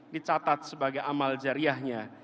dicatat sebagai amal jariahnya